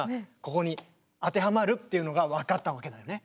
ここに当てはまるっていうのが分かったわけだよね。